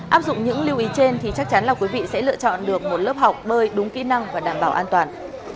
áp dụng những lưu ý trên thì chắc chắn là quý vị sẽ lựa chọn được một lớp học bơi đúng kỹ năng và đảm bảo an toàn